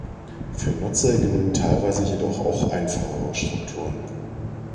Für Nutzer genügen teilweise jedoch auch einfachere Strukturen.